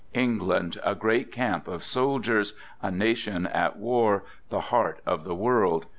England, a great camp of soldiers, a nation at war, the heart of the world.